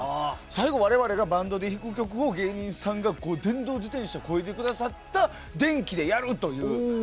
最後、我々がバンドで弾く曲を芸人さんが電動自転車をこいでくださった電気でやるという。